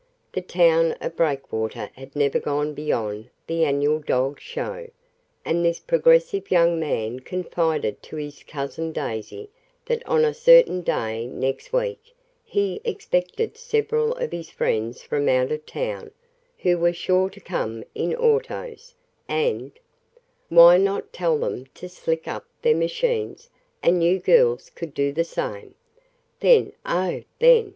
The town of Breakwater had never gone beyond the annual dog show, and this progressive young man confided to his cousin Daisy that on a certain day next week he expected several of his friends from out of town, who were sure to come in autos, and: "Why not tell them to 'slick up' their machines, and you girls could do the same? Then, oh, then!"